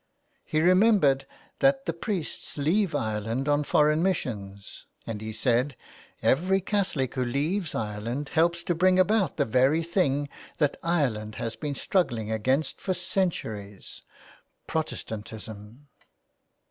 He remembered that the priests leave Ireland on foreign missions, and he said :—" Every Catholic who leaves Ireland helps to bring about the very thing that Ireland has been struggling against for centuries — Protestantism."